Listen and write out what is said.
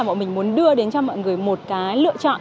bọn mình muốn đưa đến cho mọi người một cái lựa chọn